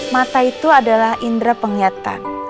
mata itu adalah indera penglihatan